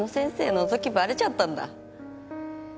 のぞきバレちゃったんだ。